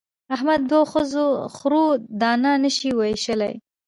احمد د دوو خرو دانه نه شي وېشلای.